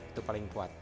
itu paling kuat